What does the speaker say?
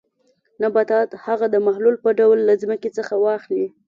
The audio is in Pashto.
نباتات هغه د محلول په ډول له ځمکې څخه واخلي.